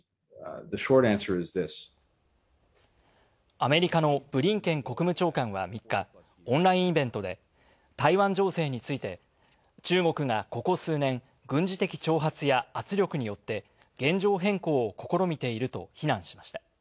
アメリカのブリンケン国務長官は３日、オンラインイベントで台湾情勢について中国がここ数年、軍事的挑発や圧力によって現状変更を試みていると非難しました。